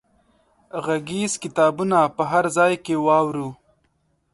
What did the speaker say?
غږیز کتابونه په هر ځای کې واورو.